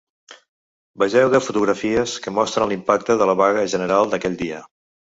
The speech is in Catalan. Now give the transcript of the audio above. Vegeu deu fotografies que mostren l’impacte de la vaga general d’aquell dia.